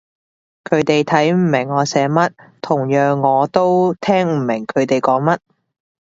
佢哋睇唔明我寫乜，同樣我都聽唔明佢哋講乜